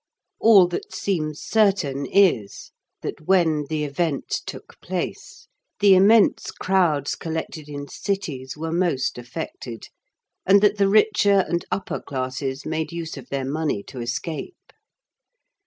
All that seems certain is, that when the event took place, the immense crowds collected in cities were most affected, and that the richer and upper classes made use of their money to escape.